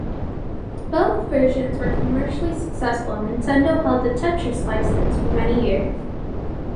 Both versions were commercially successful and Nintendo held the "Tetris" license for many years.